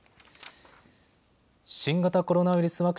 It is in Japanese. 新型コロナウイルス